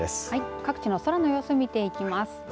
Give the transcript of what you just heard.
各地の空の様子を見てきます。